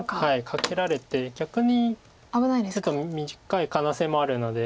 カケられて逆にちょっと短い可能性もあるので。